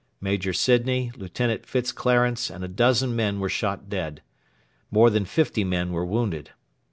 Major Sidney, Lieutenant Fitzclarence, and a dozen men were shot dead. More than fifty men were wounded.